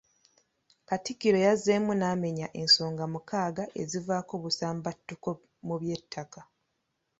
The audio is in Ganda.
Katikkiro yazzeemu n’amenya ensonga mukaaga ezivaako obusambattuko mu by’ettaka.